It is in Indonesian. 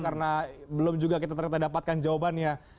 karena belum juga kita terkata dapatkan jawabannya